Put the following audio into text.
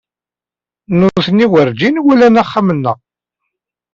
Nitni werǧin walan axxam-nneɣ.